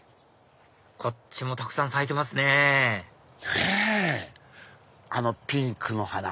こっちもたくさん咲いてますねあのピンクの花。